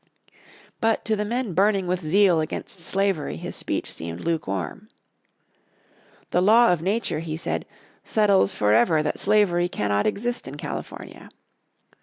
But to the men burning with zeal against slavery his speech seemed lukewarm. "The law of Nature," he said, "settles forever that slavery cannot exist in California."